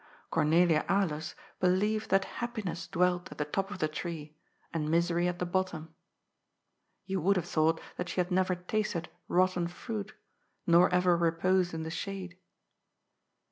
Cornelia Alers believed that happiness dwelt at the top of the tree, and misery at the bottom. You would have thought that she had never tasted rotten fruit, nor ever re posed in the shade.